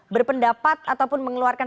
berpendapat ataupun mengeluarkan